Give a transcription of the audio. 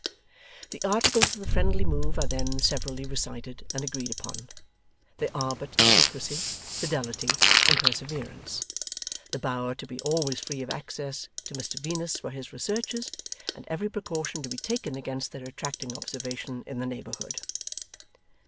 The articles of the friendly move are then severally recited and agreed upon. They are but secrecy, fidelity, and perseverance. The Bower to be always free of access to Mr Venus for his researches, and every precaution to be taken against their attracting observation in the neighbourhood.